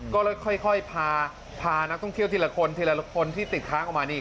ก็ค่อยพานักท่องเที่ยวทีละคนทีละคนที่ติดค้างออกมานี่